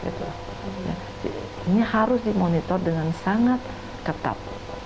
ini harus dimonitor dengan sangat ketat